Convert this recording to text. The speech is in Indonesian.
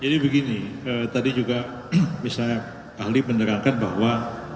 jadi begini tadi juga misalnya ahli menerangkan bahwa